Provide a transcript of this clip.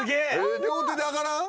両手で上がらん？